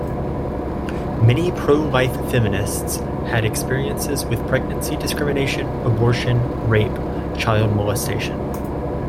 Many pro-life feminists had experiences with pregnancy discrimination, abortion, rape, child molestation.